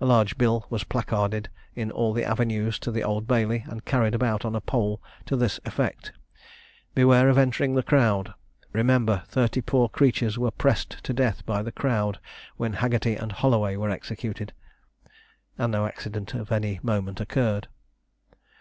A large bill was placarded at all the avenues to the Old Bailey, and carried about on a pole, to this effect: "Beware of entering the crowd! Remember thirty poor creatures were pressed to death by the crowd when Haggerty and Holloway were executed," and no accident of any moment occurred.